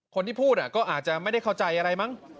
คนที่พูดก็อาจจะไม่ได้เข้าใจอะไรมั้ง